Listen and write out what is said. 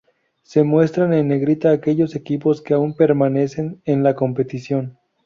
Se muestran en negrita aquellos equipos que aún permanecen en la competición.